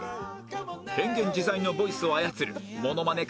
変幻自在のボイスを操るモノマネ